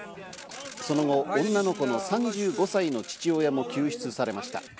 その後、女の子の３５歳の父親も救出されました。